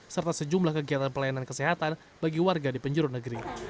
serta sejumlah kegiatan pelayanan kesehatan bagi warga di penjuru negeri